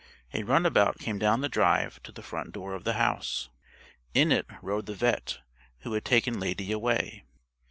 A runabout came down the drive to the front door of the house. In it rode the vet' who had taken Lady away.